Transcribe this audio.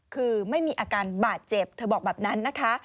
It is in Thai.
คือไม่มีอาการบาดเจ็บเธอบอกแบบนั้นนะคะ